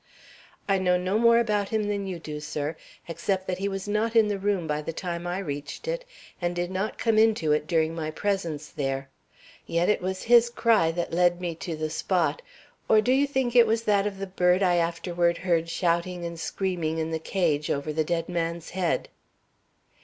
"I know no more about him than you do, sir, except that he was not in the room by the time I reached it, and did not come into it during my presence there. Yet it was his cry that led me to the spot; or do you think it was that of the bird I afterward heard shouting and screaming in the cage over the dead man's head?"